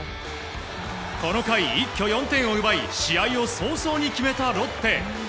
この回、一挙４点を奪い試合を早々に決めたロッテ。